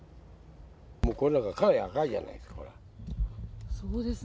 もうこれなんかかなり赤いじそうですね。